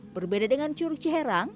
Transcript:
berbeda dengan curug ciharang